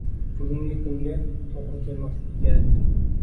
Bugungi kunga to'g'ri kelmasligi kerak.